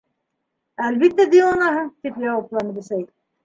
—Әлбиттә, диуанаһың, —тип яуапланы Бесәй.